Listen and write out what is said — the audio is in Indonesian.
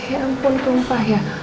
ya ampun tumpah ya